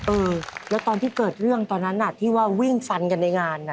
เออแล้วตอนที่เกิดเรื่องตอนนั้นที่ว่าวิ่งฟันกันในงาน